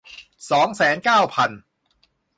สองแสนเก้าพัน